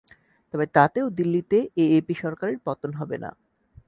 তবে তাতেও দিল্লিতে এএপি সরকারের পতন হবে না।